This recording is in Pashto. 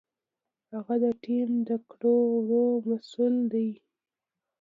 هغه د ټیم د کړو وړو مسؤل دی.